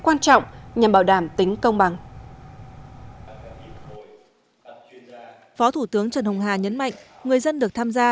tạo nhằm bảo đảm tính công bằng phó thủ tướng trần ông hà nhấn mạnh người dân được tham gia